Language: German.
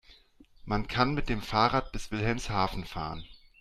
Man kann mit dem Fahrrad bis Wilhelmshaven fahren